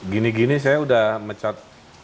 gini gini saya udah mecat